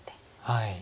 はい。